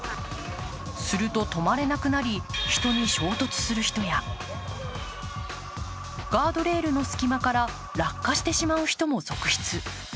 すると止まれなくなり、人に衝突する人やガードレールの隙間から落下してしまう人も続出。